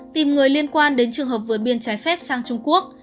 tìm người liên quan đến trường hợp vượt biên trái phép sang trung quốc